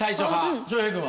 翔平君は？